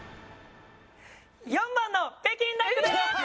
４番の北京ダックです！